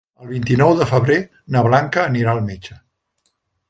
El vint-i-nou de febrer na Blanca anirà al metge.